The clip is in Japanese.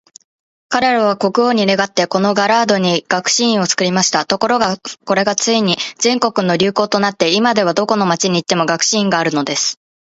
彼等は国王に願って、このラガードに学士院を作りました。ところが、これがついに全国の流行となって、今では、どこの町に行っても学士院があるのです。